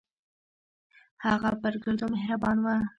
هغه پر ګردو مهربان و.